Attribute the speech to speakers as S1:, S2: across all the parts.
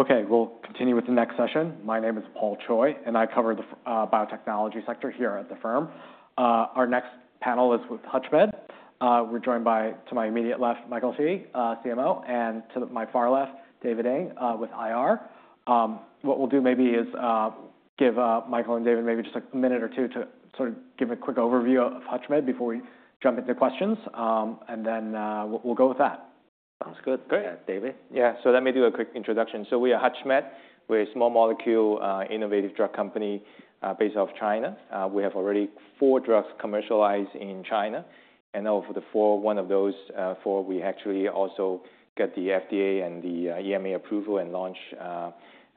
S1: Okay, we'll continue with the next session. My name is Paul Choi, and I cover the biotechnology sector here at the firm. Our next panel is with HUTCHMED. We're joined by, to my immediate left, Michael Shi, CMO, and to my far left, David Ng with IR. What we'll do maybe is give Michael and David maybe just a minute or two to sort of give a quick overview of HUTCHMED before we jump into questions, and then we'll go with that.
S2: Sounds good.
S1: Great.
S2: David?
S3: Yeah, so let me do a quick introduction. We are HUTCHMED. We're a small molecule innovative drug company based out of China. We have already four drugs commercialized in China, and of the four, one of those four we actually also got the FDA and the EMA approval and launch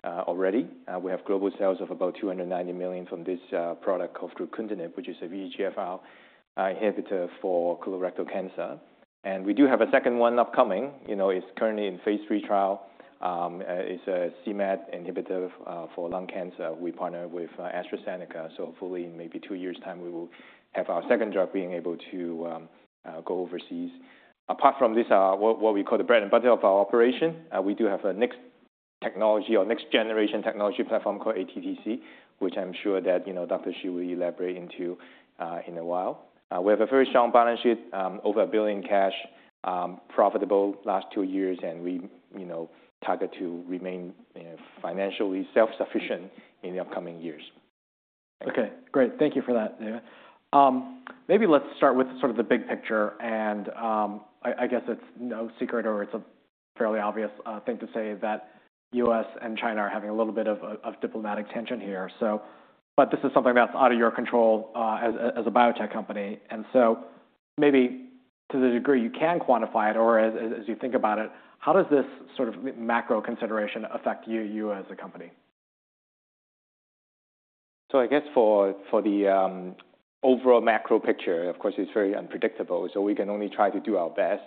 S3: already. We have global sales of about 290 million from this product called fruquintinib, which is a VEGFR inhibitor for colorectal cancer. We do have a second one upcoming. It's currently in phase III trial. It's a c-MET inhibitor for lung cancer. We partner with AstraZeneca, so hopefully in maybe two years' time we will have our second drug being able to go overseas. Apart from this, what we call the bread and butter of our operation, we do have a next technology or next generation technology platform called ATTC, which I'm sure that Dr. Shi will elaborate into in a while. We have a very strong balance sheet, over 1 billion cash, profitable last two years, and we target to remain financially self-sufficient in the upcoming years.
S1: Okay, great. Thank you for that, David. Maybe let's start with sort of the big picture, and I guess it's no secret or it's a fairly obvious thing to say that the U.S. and China are having a little bit of diplomatic tension here. This is something that's out of your control as a biotech company. Maybe to the degree you can quantify it or as you think about it, how does this sort of macro consideration affect you as a company?
S3: I guess for the overall macro picture, of course, it's very unpredictable, so we can only try to do our best.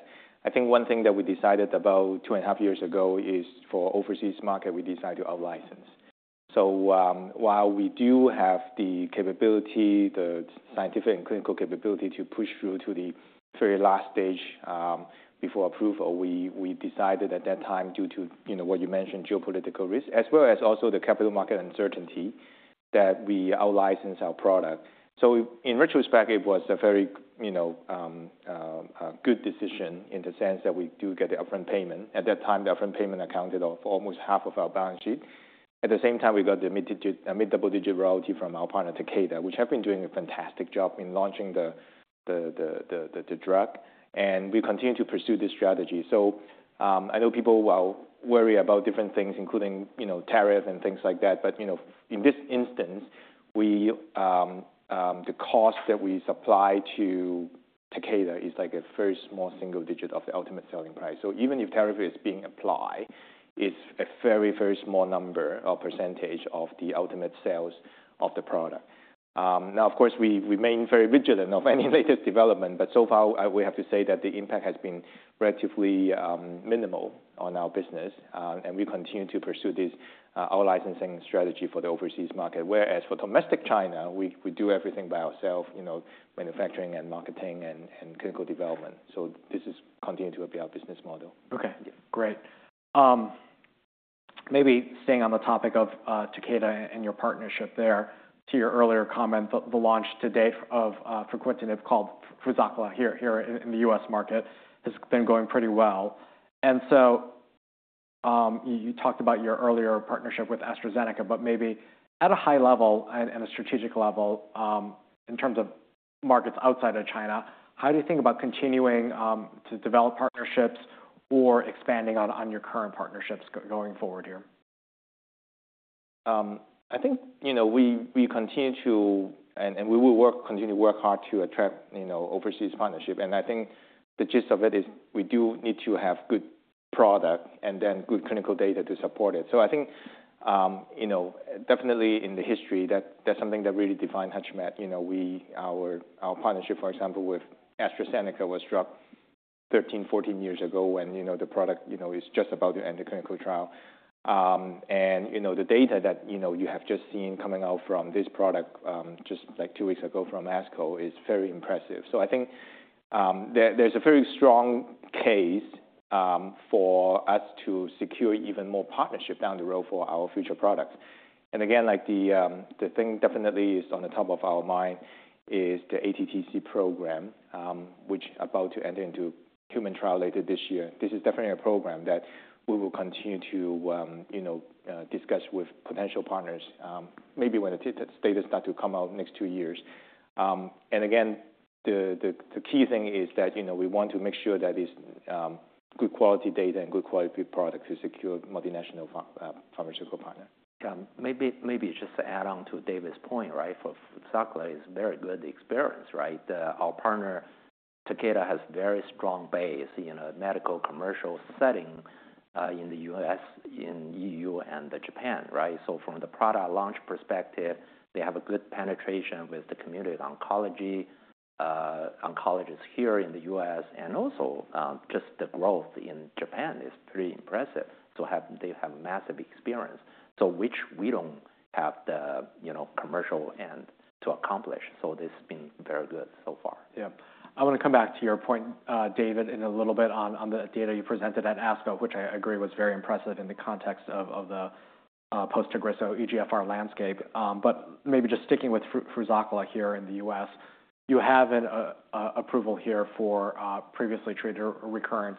S3: I think one thing that we decided about two and a half years ago is for overseas market, we decide to out-license. While we do have the capability, the scientific and clinical capability to push through to the very last stage before approval, we decided at that time due to what you mentioned, geopolitical risk, as well as also the capital market uncertainty, that we out-license our product. In retrospect, it was a very good decision in the sense that we do get the upfront payment. At that time, the upfront payment accounted for almost half of our balance sheet. At the same time, we got the mid-double-digit royalty from our partner, Takeda, which have been doing a fantastic job in launching the drug, and we continue to pursue this strategy. I know people will worry about different things, including tariff and things like that, but in this instance, the cost that we supply to Takeda is like a very small single-digit of the ultimate selling price. Even if tariff is being applied, it is a very, very small number or percentage of the ultimate sales of the product. Of course, we remain very vigilant of any latest development, but so far we have to say that the impact has been relatively minimal on our business, and we continue to pursue this out-licensing strategy for the overseas market. Whereas for domestic China, we do everything by ourselves, manufacturing and marketing and clinical development. This is continuing to be our business model.
S1: Okay, great. Maybe staying on the topic of Takeda and your partnership there, to your earlier comment, the launch today of fruquintinib called FRUZAQLA here in the U.S. market has been going pretty well. You talked about your earlier partnership with AstraZeneca, but maybe at a high level and a strategic level in terms of markets outside of China, how do you think about continuing to develop partnerships or expanding on your current partnerships going forward here?
S3: I think we continue to, and we will continue to work hard to attract overseas partnership. I think the gist of it is we do need to have good product and then good clinical data to support it. I think definitely in the history, that's something that really defined HUTCHMED. Our partnership, for example, with AstraZeneca was struck 13, 14 years ago when the product is just about to end the clinical trial. The data that you have just seen coming out from this product just like two weeks ago from ASCO is very impressive. I think there's a very strong case for us to secure even more partnership down the road for our future products. Again, the thing definitely is on the top of our mind is the ATTC program, which is about to enter into human trial later this year. This is definitely a program that we will continue to discuss with potential partners, maybe when the data start to come out next two years. Again, the key thing is that we want to make sure that it's good quality data and good quality product to secure multinational pharmaceutical partners.
S2: Maybe just to add on to David's point, right, for FRUZAQLA is very good experience, right? Our partner, Takeda, has a very strong base in a medical commercial setting in the U.S., in EU, and Japan, right? From the product launch perspective, they have a good penetration with the community of oncology, oncologists here in the U.S., and also just the growth in Japan is pretty impressive. They have massive experience, which we do not have the commercial end to accomplish. This has been very good so far.
S1: Yeah. I want to come back to your point, David, in a little bit on the data you presented at ASCO, which I agree was very impressive in the context of the post-aggressive EGFR landscape. Maybe just sticking with FRUZAQLA here in the U.S., you have an approval here for previously treated or recurrent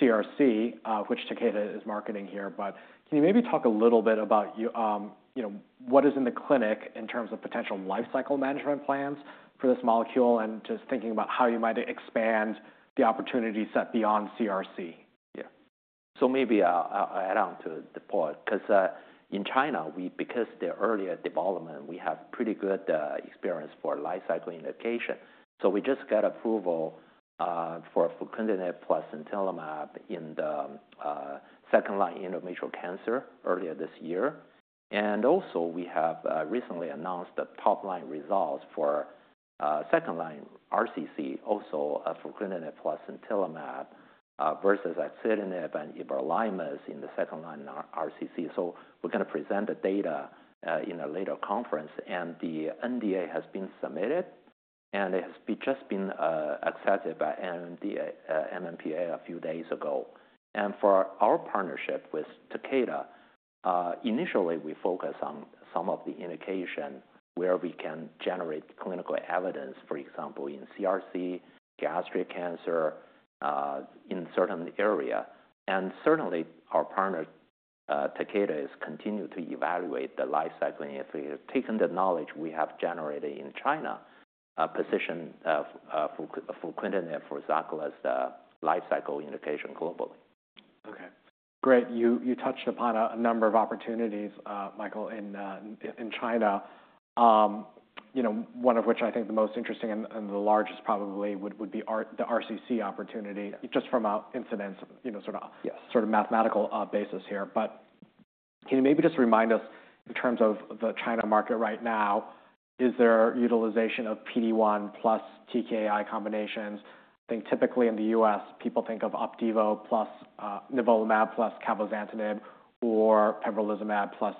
S1: CRC, which Takeda is marketing here. Can you maybe talk a little bit about what is in the clinic in terms of potential life cycle management plans for this molecule and just thinking about how you might expand the opportunity set beyond CRC?
S3: Yeah.
S2: Maybe I'll add on to the point because in China, because of the earlier development, we have pretty good experience for life cycle indication. We just got approval for fruquintinib plus sintilimab in the second line endometrial cancer earlier this year. We have also recently announced the top line results for second line RCC, also fruquintinib plus sintilimab versus axitinib and everolimus in the second line RCC. We're going to present the data in a later conference, and the NDA has been submitted, and it has just been accepted by NMPA a few days ago. For our partnership with Takeda, initially we focused on some of the indications where we can generate clinical evidence, for example, in CRC, gastric cancer in certain areas. Our partner, Takeda, is continuing to evaluate the life cycle and if we have taken the knowledge we have generated in China, position fruquintinib, FRUZAQLA as the life cycle indication globally.
S1: Okay, great. You touched upon a number of opportunities, Michael, in China, one of which I think the most interesting and the largest probably would be the RCC opportunity just from an incidence, sort of mathematical basis here. Can you maybe just remind us in terms of the China market right now, is there utilization of PD-1 plus TKI combinations? I think typically in the U.S., people think of OPDIVO plus nivolumab plus cabozantinib or pembrolizumab plus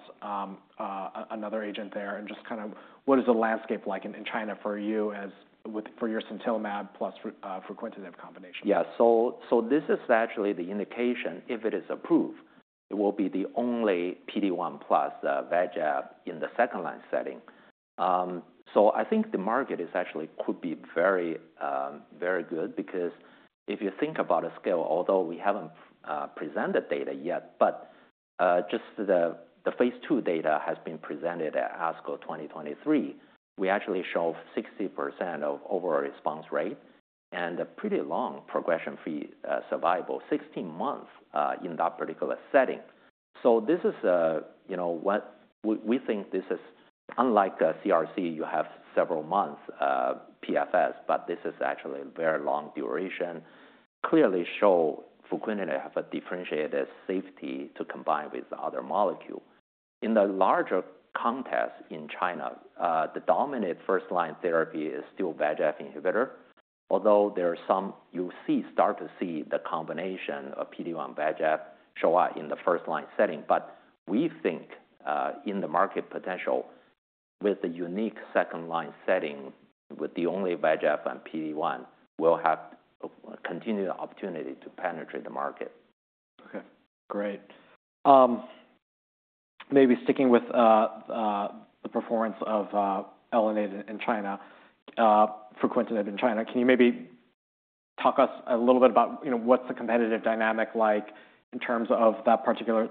S1: another agent there. Just kind of what is the landscape like in China for you as for your sintilimab plus fruquintinib combination?
S2: Yeah, so this is actually the indication if it is approved, it will be the only PD-1 plus VEGF in the second line setting. I think the market actually could be very, very good because if you think about a scale, although we haven't presented data yet, just the phase II data has been presented at ASCO 2023, we actually show 60% overall response rate and a pretty long progression-free survival, 16 months in that particular setting. This is what we think. This is unlike CRC, you have several months PFS, but this is actually a very long duration. Clearly show fruquintinib have a differentiated safety to combine with other molecules. In the larger context in China, the dominant first line therapy is still VEGF inhibitor, although there are some you'll see start to see the combination of PD-1 VEGF show up in the first line setting. We think in the market potential with the unique second line setting with the only VEGF and PD-1 will have continued opportunity to penetrate the market.
S1: Okay, great. Maybe sticking with the performance of Elunate in China, fruquintinib in China, can you maybe talk to us a little bit about what's the competitive dynamic like in terms of that particular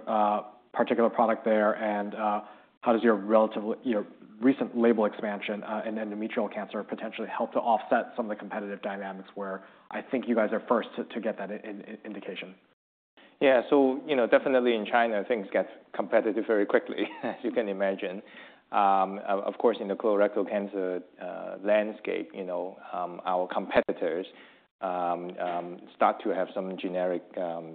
S1: product there and how does your recent label expansion in endometrial cancer potentially help to offset some of the competitive dynamics where I think you guys are first to get that indication?
S3: Yeah, so definitely in China, things get competitive very quickly, as you can imagine. Of course, in the colorectal cancer landscape, our competitors start to have some generic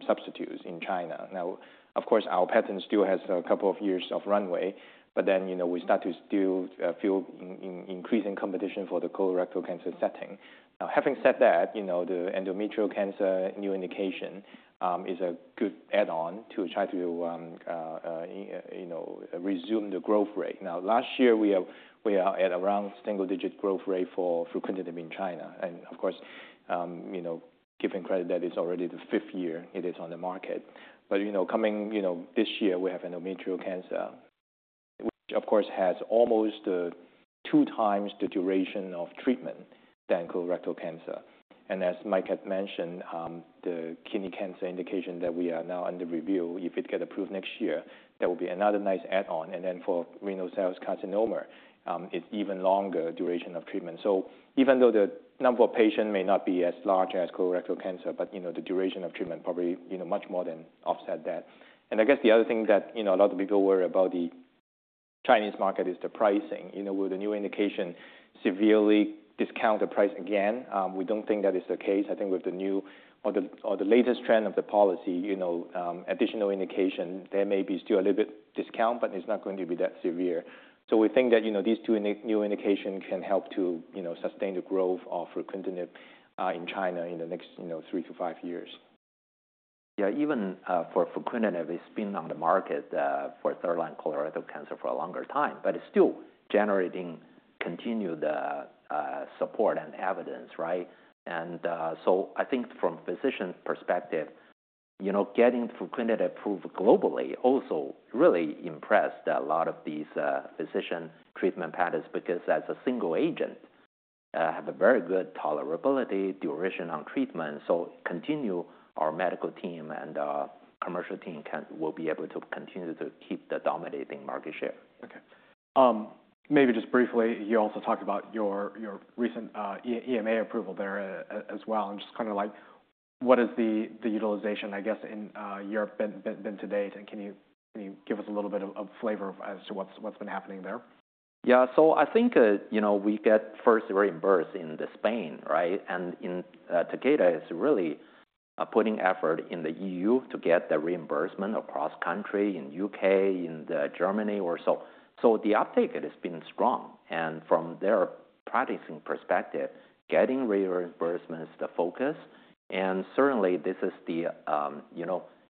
S3: substitutes in China. Now, of course, our patent still has a couple of years of runway, but then we start to still feel increasing competition for the colorectal cancer setting. Now, having said that, the endometrial cancer new indication is a good add-on to try to resume the growth rate. Now, last year we are at around single-digit growth rate for fruquintinib in China. Of course, giving credit that it is already the fifth year it is on the market. Coming this year, we have endometrial cancer, which of course has almost two times the duration of treatment than colorectal cancer. As Mike had mentioned, the kidney cancer indication that we are now under review, if it gets approved next year, that will be another nice add-on. For renal cell carcinoma, it is even longer duration of treatment. Even though the number of patients may not be as large as colorectal cancer, the duration of treatment probably much more than offsets that. I guess the other thing that a lot of people worry about in the Chinese market is the pricing. Will the new indication severely discount the price again? We do not think that is the case. I think with the new or the latest trend of the policy, additional indication, there may be still a little bit of a discount, but it is not going to be that severe. We think that these two new indications can help to sustain the growth of fruquintinib in China in the next three to five years.
S2: Yeah, even for fruquintinib, it's been on the market for third line colorectal cancer for a longer time, but it's still generating continued support and evidence, right? I think from a physician perspective, getting fruquintinib approved globally also really impressed a lot of these physician treatment patterns because as a single agent, have a very good tolerability, duration on treatment. Continue our medical team and our commercial team will be able to continue to keep the dominating market share.
S1: Okay. Maybe just briefly, you also talked about your recent EMA approval there as well and just kind of like what has the utilization, I guess, in Europe been to date? Can you give us a little bit of flavor as to what's been happening there?
S2: Yeah, so I think we get first reimbursed in Spain, right? Takeda is really putting effort in the EU to get the reimbursement across country in the U.K., in Germany or so. The uptake has been strong. From their practicing perspective, getting reimbursement is the focus. Certainly this is the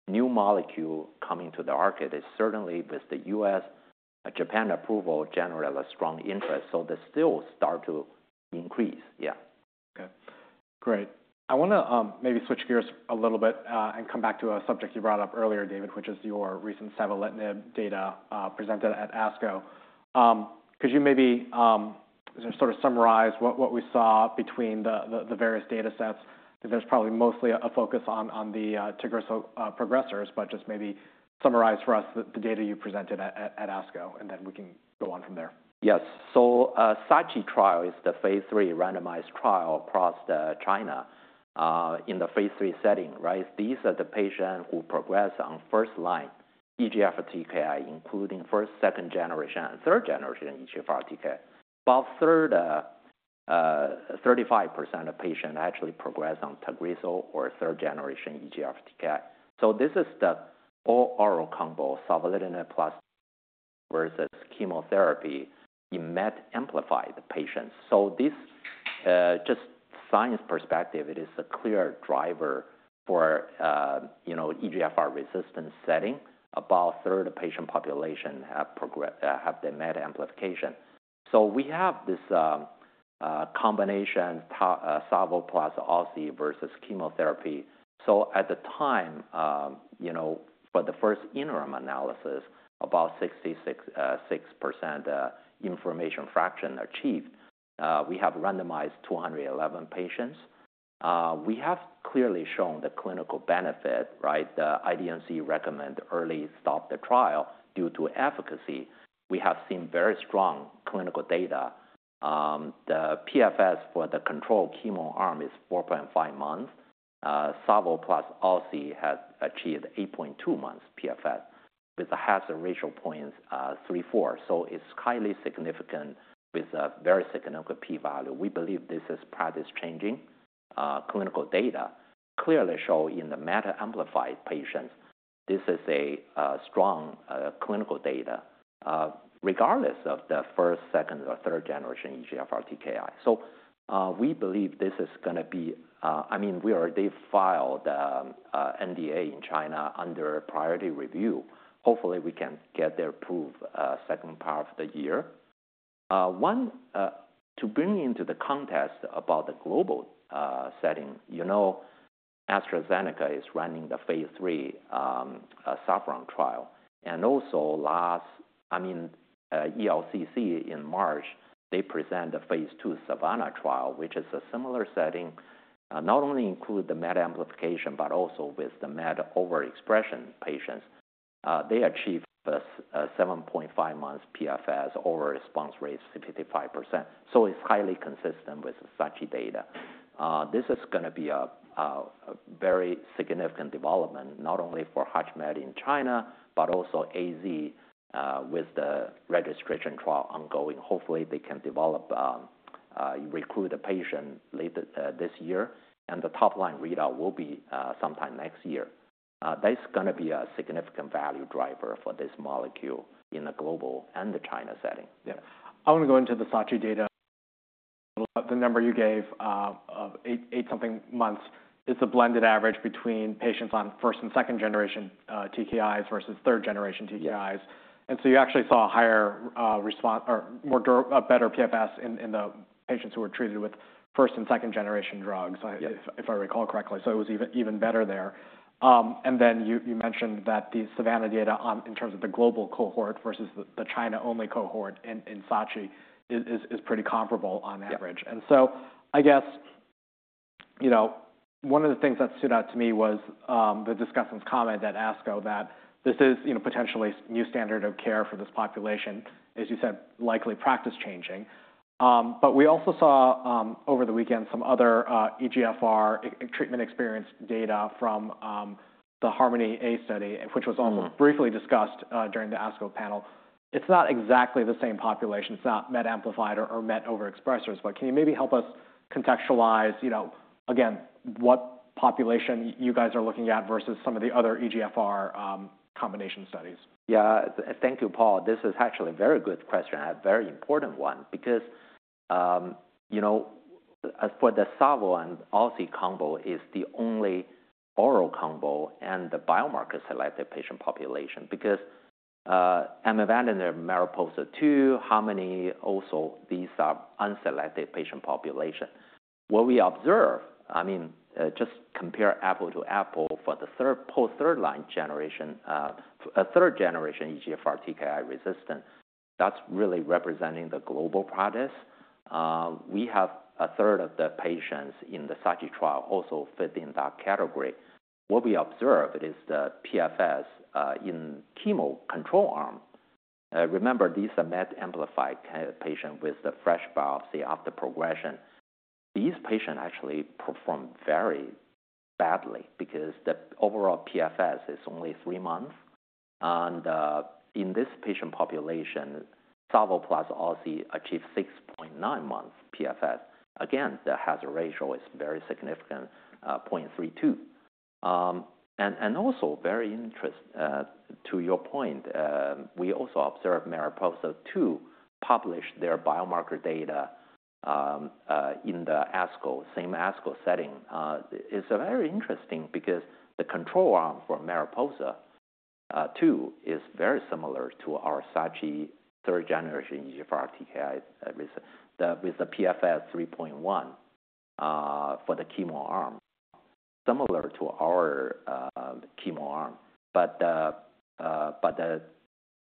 S2: new molecule coming to the market, is certainly with the U.S., Japan approval generally a strong interest. The sales start to increase. Yeah.
S1: Okay, great. I want to maybe switch gears a little bit and come back to a subject you brought up earlier, David, which is your recent savolitinib data presented at ASCO. Could you maybe sort of summarize what we saw between the various data sets? There's probably mostly a focus on the TAGRISSO progressors, but just maybe summarize for us the data you presented at ASCO and then we can go on from there.
S2: Yes. SACHI trial is the phase III randomized trial across China in the phase III setting, right? These are the patients who progress on first line EGFR TKI, including first, second generation, and third generation EGFR TKI. About 35% of patients actually progress on TAGRISSO or third generation EGFR TKI. This is the all oral combo savolitinib plus versus chemotherapy in MET-amplified patients. From a science perspective, it is a clear driver for EGFR resistance setting. About a third of the patient population have the MET amplification. We have this combination savo plus osi versus chemotherapy. At the time, for the first interim analysis, about 66% information fraction achieved. We have randomized 211 patients. We have clearly shown the clinical benefit, right? The IDMC recommend early stop the trial due to efficacy. We have seen very strong clinical data. The PFS for the control chemo arm is 4.5 months. Savo plus osi has achieved 8.2 months PFS with a hazard ratio 0.34. It is highly significant with a very significant p-value. We believe this is practice changing. Clinical data clearly show in the MET-amplified patients, this is strong clinical data regardless of the first-, second-, or third-generation EGFR TKI. We believe this is going to be, I mean, we are, they filed the NDA in China under priority review. Hopefully we can get that approved second part of the year. To bring into the context about the global setting, AstraZeneca is running the phase III SAFFRON trial. Also, last, I mean, ELCC in March, they presented a phase II SAVANNAH trial, which is a similar setting, not only including the MET amplification, but also with the MET overexpression patients. They achieved 7.5 months PFS, over response rate 65%. It is highly consistent with SACHI data. This is going to be a very significant development not only for HUTCHMED in China, but also AZ with the registration trial ongoing. Hopefully they can develop, recruit a patient later this year. The top line readout will be sometime next year. That is going to be a significant value driver for this molecule in the global and the China setting.
S1: Yeah. I want to go into the SACHI data. The number you gave of eight something months is the blended average between patients on first- and second-generation TKIs versus third-generation TKIs. You actually saw a higher response or better PFS in the patients who were treated with first- and second-generation drugs, if I recall correctly. It was even better there. You mentioned that the SAVANNAH data in terms of the global cohort versus the China-only cohort in SACHI is pretty comparable on average. I guess one of the things that stood out to me was the discussion's comment at ASCO that this is potentially a new standard of care for this population, as you said, likely practice changing. We also saw over the weekend some other EGFR treatment experience data from the HARMONY A study, which was also briefly discussed during the ASCO panel. It's not exactly the same population. It's not MET amplified or MET overexpressors. Can you maybe help us contextualize again what population you guys are looking at versus some of the other EGFR combination studies?
S2: Yeah, thank you, Paul. This is actually a very good question. I have a very important one because for the savo- osi combo, it's the only oral combo in the biomarker-selected patient population because amivantanab and MARIPOSA-2, HARMONY also, these are unselected patient population. What we observe, I mean, just compare apple to apple for the post third-line, third-generation EGFR TKI resistance, that's really representing the global practice. We have a third of the patients in the SACHI trial also fit in that category. What we observed is the PFS in chemo control arm. Remember, these are MET-amplified patients with the fresh biopsy after progression. These patients actually perform very badly because the overall PFS is only three months. In this patient population, savo plus osi achieved 6.9 months PFS. Again, the hazard ratio is very significant, 0.32. Also, very interesting to your point, we also observed MARIPOSA-2 published their biomarker data in the ASCO, same ASCO setting. It is very interesting because the control arm for MARIPOSA-2 is very similar to our SACHI third-generation EGFR TKI with the PFS 3.1 for the chemo arm, similar to our chemo arm. The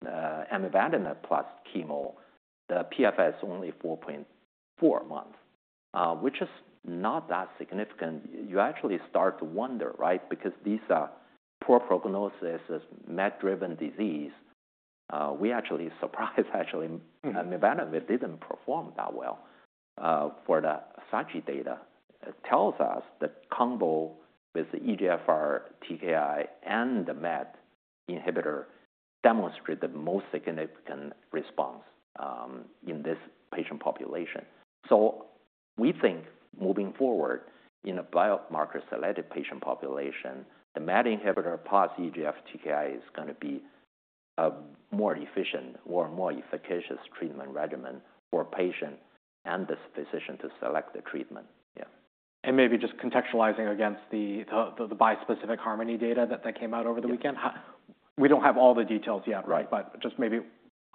S2: amivantanab plus chemo, the PFS only 4.4 months, which is not that significant. You actually start to wonder, right? Because these are poor prognosis, MET-driven disease. We actually are surprised actually amivantanab did not perform that well for the SACHI data. It tells us the combo with the EGFR TKI and the MET inhibitor demonstrated the most significant response in this patient population. We think moving forward in a biomarker selected patient population, the MET inhibitor plus EGFR TKI is going to be a more efficient or more efficacious treatment regimen for patient and this physician to select the treatment.
S1: Yeah. Maybe just contextualizing against the bispecific HARMONY data that came out over the weekend. We do not have all the details yet, right? Just maybe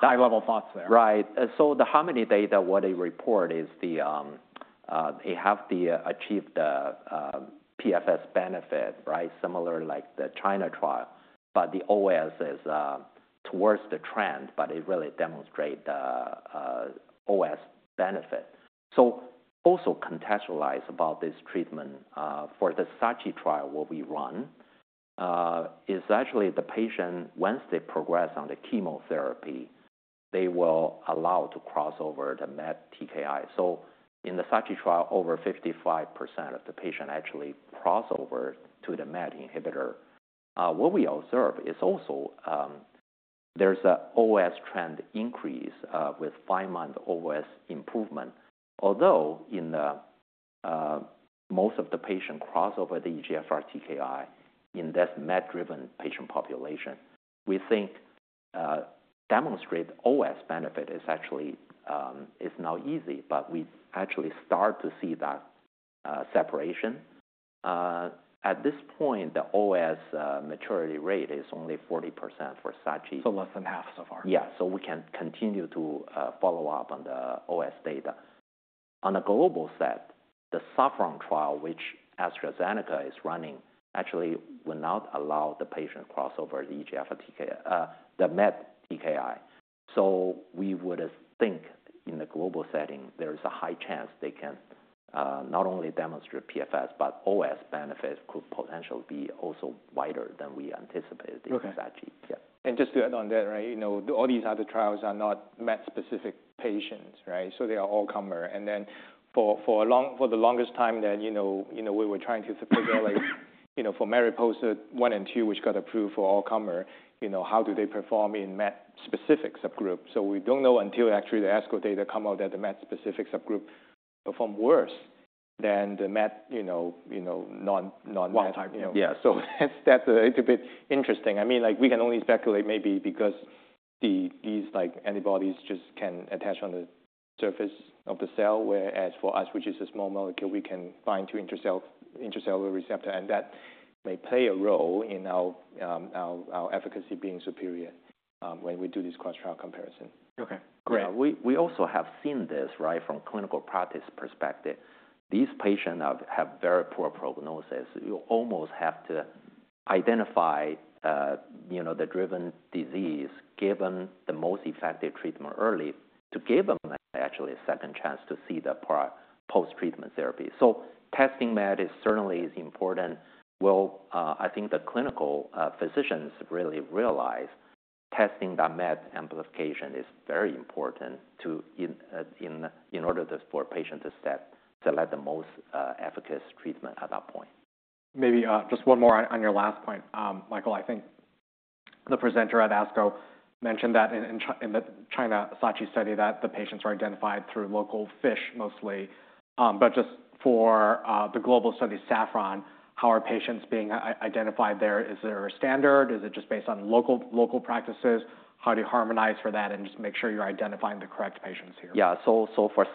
S1: high-level thoughts there.
S2: Right. So the HARMONY data, what they report is they have achieved the PFS benefit, right? Similar like the China trial, but the OS is towards the trend, but it really demonstrates the OS benefit. Also contextualize about this treatment for the SACHI trial what we run is actually the patient once they progress on the chemotherapy, they will allow to cross over the MET TKI. In the SACHI trial, over 55% of the patient actually cross over to the MET inhibitor. What we observe is also there's an OS trend increase with five-month OS improvement. Although in most of the patient cross over the EGFR TKI in this MET-driven patient population, we think demonstrate OS benefit is actually not easy, but we actually start to see that separation. At this point, the OS maturity rate is only 40% for SACHI.
S1: Less than half so far.
S2: Yeah. So we can continue to follow up on the OS data. On a global set, the SAFFRON trial, which AstraZeneca is running, actually will not allow the patient cross over the EGFR TKI, the MET TKI. So we would think in the global setting, there is a high chance they can not only demonstrate PFS, but OS benefit could potentially be also wider than we anticipated in SACHI.
S3: Just to add on that, right? All these other trials are not MET-specific patients, right? They are all comer. For the longest time that we were trying to figure out for MARIPOSA-1 and -2, which got approved for all comer, how do they perform in MET-specific subgroup? We do not know until actually the ASCO data come out that the MET-specific subgroup perform worse than the MET non-comer. Yeah. That's a bit interesting. I mean, we can only speculate maybe because these antibodies just can attach on the surface of the cell, whereas for us, which is a small molecule, we can bind to intracellular receptor and that may play a role in our efficacy being superior when we do this cross trial comparison.
S1: Okay, great.
S2: We also have seen this, right? From clinical practice perspective, these patients have very poor prognosis. You almost have to identify the driven disease given the most effective treatment early to give them actually a second chance to see the post-treatment therapy. Testing MET is certainly important. I think the clinical physicians really realize testing that MET amplification is very important in order for patients to select the most efficacious treatment at that point.
S1: Maybe just one more on your last point, Michael, I think the presenter at ASCO mentioned that in the China SACHI study that the patients were identified through local FISH mostly. Just for the global study SAFFRON, how are patients being identified there? Is there a standard? Is it just based on local practices? How do you harmonize for that and just make sure you're identifying the correct patients here?
S2: Yeah. For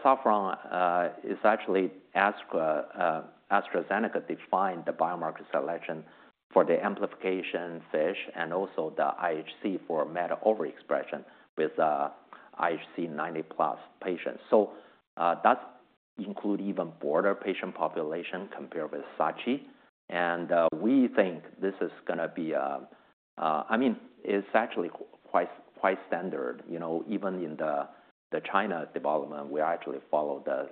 S2: SAFFRON, it's actually AstraZeneca defined the biomarker selection for the amplification FISH and also the IHC for MET overexpression with IHC 90+ patients. That includes even broader patient population compared with SACHI. We think this is going to be, I mean, it's actually quite standard. Even in the China development, we actually followed the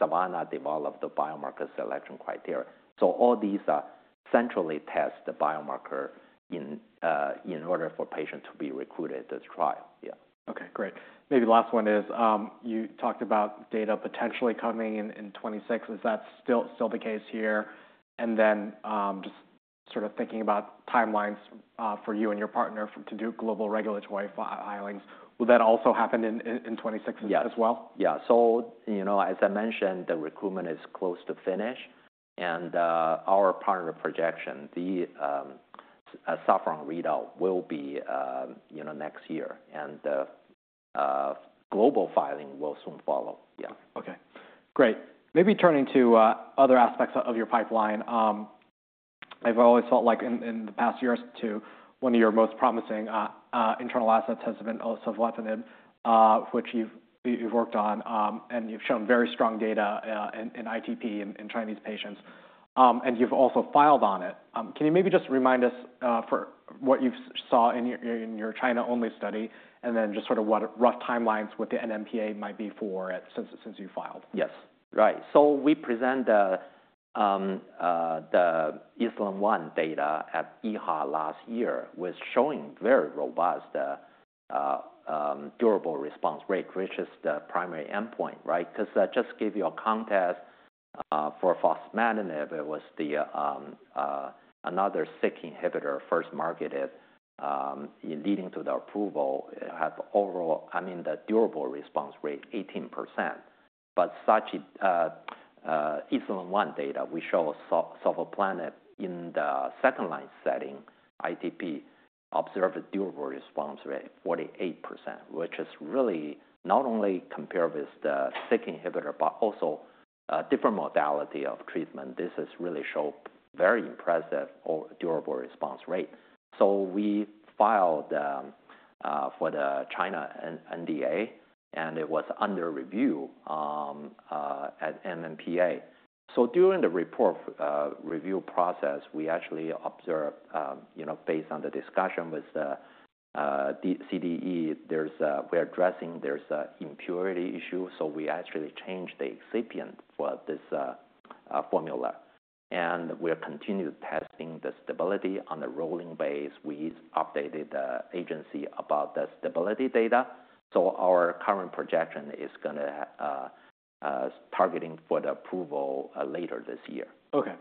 S2: SAVANNAH-developed the biomarker selection criteria. All these are centrally tested biomarker in order for patient to be recruited to the trial. Yeah.
S1: Okay, great. Maybe the last one is you talked about data potentially coming in 2026. Is that still the case here? And then just sort of thinking about timelines for you and your partner to do global regulatory filings, will that also happen in 2026 as well?
S2: Yeah. As I mentioned, the recruitment is close to finish. Our partner projection, the SAFFRON readout will be next year. The global filing will soon follow. Yeah.
S1: Okay, great. Maybe turning to other aspects of your pipeline. I've always felt like in the past years too, one of your most promising internal assets has been also savolitinib which you've worked on and you've shown very strong data in ITP in Chinese patients. And you've also filed on it. Can you maybe just remind us for what you saw in your China-only study and then just sort of what rough timelines with the NMPA might be for it since you filed?
S2: Yes, right. We presented the ESLIN 1 data at EHA last year, showing very robust durable response rate, which is the primary endpoint, right? Because just to give you a context, for fostamatinib, it was another SYK inhibitor first marketed leading to the approval. Have overall, I mean, the durable response rate 18%. SACHI ESLIN 1 data, we showed sovleplenib in the second line setting ITP observed a durable response rate 48%, which is really not only compared with the SYK inhibitor, but also different modality of treatment. This has really shown very impressive durable response rate. We filed for the China NDA and it was under review at NMPA. During the report review process, we actually observed, based on the discussion with the CDE, we're addressing there's an impurity issue. We actually changed the excipient for this formula. We are continued testing the stability on the rolling base. We updated the agency about the stability data. Our current projection is going to targeting for the approval later this year.
S1: Okay.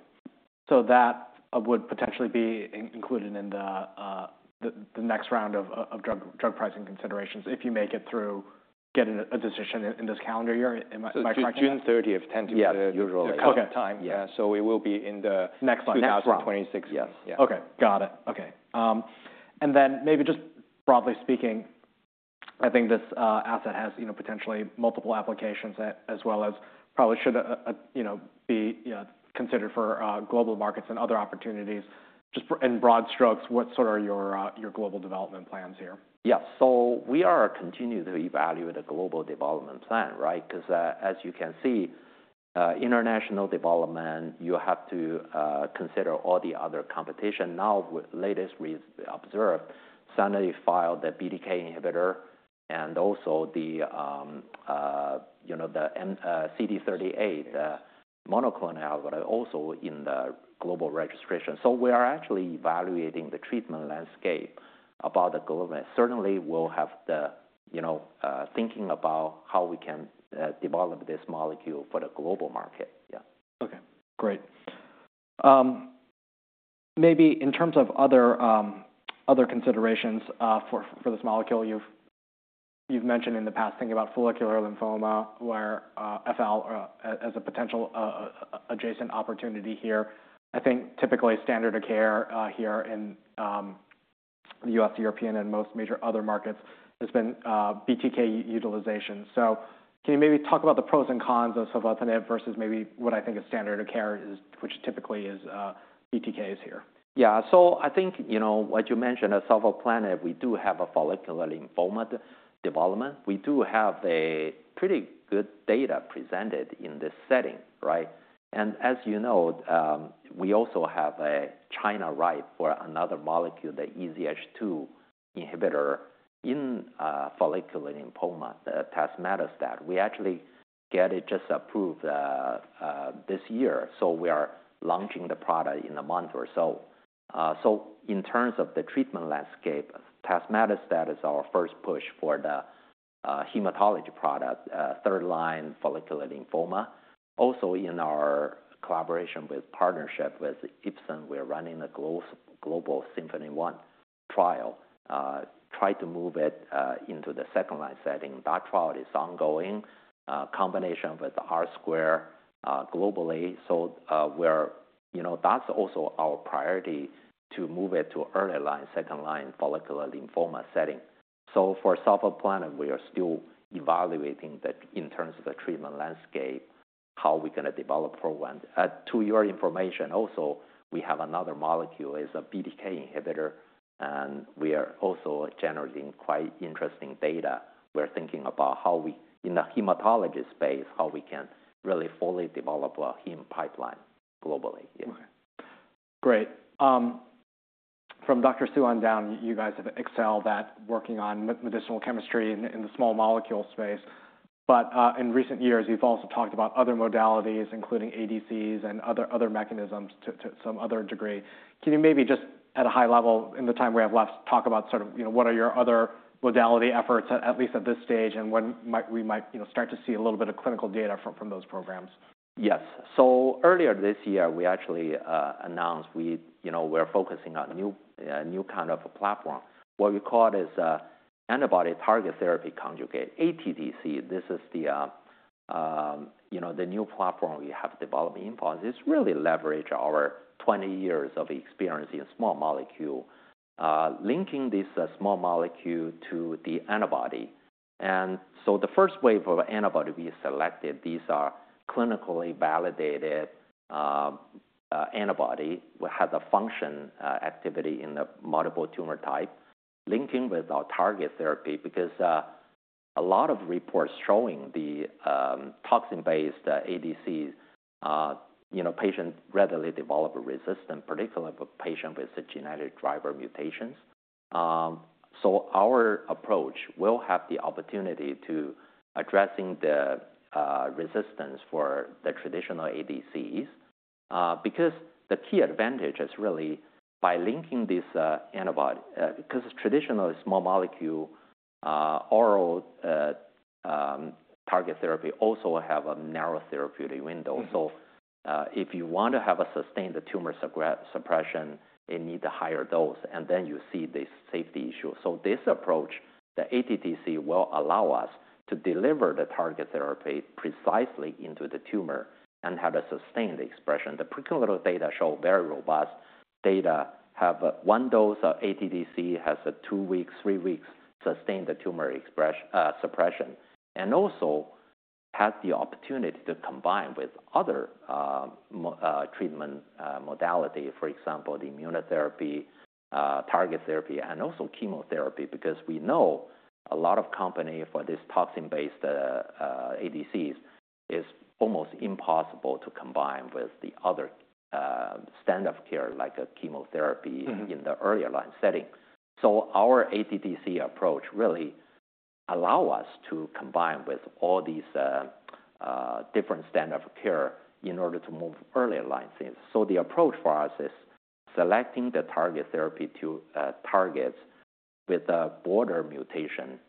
S1: So that would potentially be included in the next round of drug pricing considerations if you make it through, get a decision in this calendar year, am I correct?
S3: June 30th tends to be the usual time. Yeah. So it will be in the next month, 2026. Yes.
S1: Okay, got it. Okay. Maybe just broadly speaking, I think this asset has potentially multiple applications as well as probably should be considered for global markets and other opportunities. Just in broad strokes, what are your global development plans here?
S2: Yeah. We are continuing to evaluate the global development plan, right? Because as you can see, international development, you have to consider all the other competition. Now, latest we observed suddenly filed the BDK inhibitor and also the CD38 monoclonal but also in the global registration. We are actually evaluating the treatment landscape about the government. Certainly we'll have the thinking about how we can develop this molecule for the global market. Yeah.
S1: Okay, great. Maybe in terms of other considerations for this molecule, you've mentioned in the past thing about follicular lymphoma where FL as a potential adjacent opportunity here. I think typically standard of care here in the U.S., European and most major other markets has been BTK utilization. So can you maybe talk about the pros and cons of sovleplenib versus maybe what I think is standard of care, which typically is BTKs here?
S2: Yeah. I think what you mentioned at sovleplenib, we do have a follicular lymphoma development. We do have pretty good data presented in this setting, right? As you know, we also have China ripe for another molecule, the EZH2 inhibitor in follicular lymphoma, the tazemetostat. We actually got it just approved this year. We are launching the product in a month or so. In terms of the treatment landscape, tazemetostat is our first push for the hematology product, third line follicular lymphoma. Also in our collaboration with partnership with Ipsen, we are running a global SYMPHONY-1 trial, try to move it into the second line setting. That trial is ongoing combination with RSQUARE globally. That is also our priority to move it to early line, second line follicular lymphoma setting. For sovleplenib, we are still evaluating in terms of the treatment landscape, how we're going to develop program. To your information, also we have another molecule is a BDK inhibitor. And we are also generating quite interesting data. We're thinking about how we in the hematology space, how we can really fully develop a HEM pipeline globally.
S1: Okay, great. From Dr. Suhan down, you guys have excelled at working on medicinal chemistry in the small molecule space. In recent years, you've also talked about other modalities, including ADCs and other mechanisms to some other degree. Can you maybe just at a high level in the time we have left, talk about sort of what are your other modality efforts, at least at this stage, and when we might start to see a little bit of clinical data from those programs?
S2: Yes. Earlier this year, we actually announced we're focusing on a new kind of a platform. What we call is antibody target therapy conjugate, ATTC. This is the new platform we have developed in pharmacy. It really leveraged our 20 years of experience in small molecule, linking this small molecule to the antibody. The first wave of antibody we selected, these are clinically validated antibody that has a function activity in the multiple tumor type, linking with our target therapy because a lot of reports showing the toxin-based ADC patient readily develop a resistance, particularly for patient with genetic driver mutations. Our approach will have the opportunity to addressing the resistance for the traditional ADCs because the key advantage is really by linking this antibody because traditional small molecule oral target therapy also have a narrow therapeutic window. If you want to have a sustained tumor suppression, it needs a higher dose and then you see the safety issue. This approach, the ATTC, will allow us to deliver the target therapy precisely into the tumor and have a sustained expression. The preclinical data show very robust data. One dose of ATTC has a two weeks, three weeks sustained tumor suppression. There is also the opportunity to combine with other treatment modality, for example, the immunotherapy, target therapy, and also chemotherapy because we know a lot of companies for these toxin-based ADCs, it is almost impossible to combine with the other standard of care like chemotherapy in the earlier line setting. Our ATTC approach really allows us to combine with all these different standards of care in order to move earlier lines. The approach for us is selecting the target therapy to targets with a broader mutation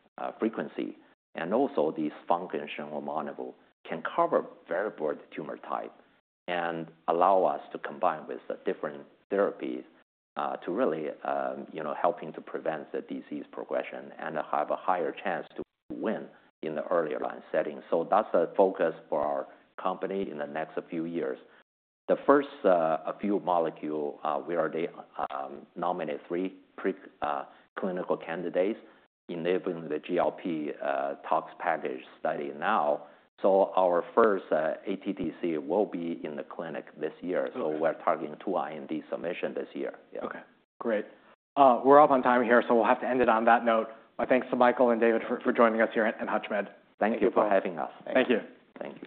S2: frequency and also these functional mono can cover very broad tumor type and allow us to combine with different therapies to really helping to prevent the disease progression and have a higher chance to win in the earlier line setting. That is a focus for our company in the next few years. The first few molecules, we are the nominee three preclinical candidates enabling the GLP tox package study now. Our first ATTC will be in the clinic this year. We are targeting two IND submission this year.
S1: Okay, great. We're up on time here, so we'll have to end it on that note. My thanks to Michael and David for joining us here at HUTCHMED.
S2: Thank you for having us.
S1: Thank you.
S3: Thank you.